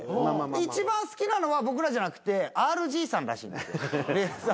一番好きなのは僕らじゃなくてＲＧさんらしいんです。